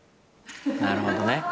なるほどね。